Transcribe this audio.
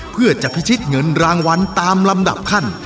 เพื่อจะพิชิตเงินรางวัลตามลำดับขั้น